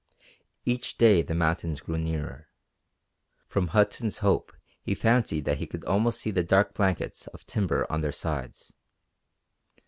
Each day the mountains grew nearer. From Hudson's Hope he fancied that he could almost see the dark blankets of timber on their sides.